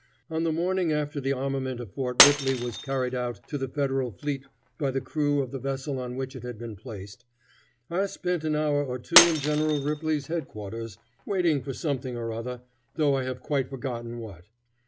On the morning after the armament of Fort Ripley was carried out to the Federal fleet by the crew of the vessel on which it had been placed, I spent an hour or two in General Ripley's head quarters, waiting for something or other, though I have quite forgotten what.